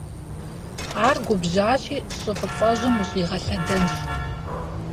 Ар губжьащи щӀы фӀыцӀэжьым ущӀигъэлъэдэнщ.